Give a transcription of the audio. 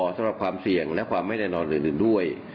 สำหรับความเสี่ยงและความไม่แน่นอนอื่นด้วย